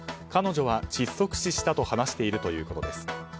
彼女は窒息死したと話しているということです。